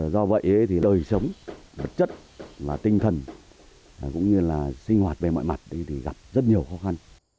do vậy thì đời sống vật chất và tinh thần cũng như là sinh hoạt về mọi mặt thì gặp rất nhiều khó khăn